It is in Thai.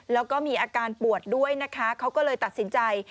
แล้วก็มีอาการปวดด้วยนะคะเขาก็เลยตัดสินใจ